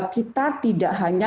kita tidak hanya